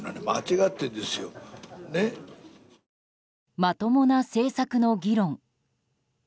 まともな政策の議論。